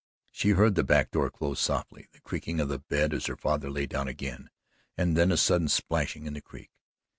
She heard the back door close softly, the creaking of the bed as her father lay down again, and then a sudden splashing in the creek.